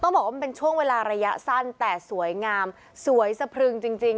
บอกว่ามันเป็นช่วงเวลาระยะสั้นแต่สวยงามสวยสะพรึงจริง